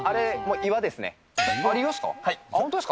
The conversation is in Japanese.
岩っすか。